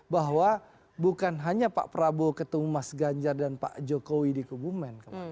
bahwa bukan hanya pak prabowo ketemu mas ganjar dan pak jokowi di kebumen